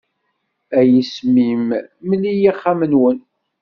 A yisem-im, mmel-iyi axxam-nwen.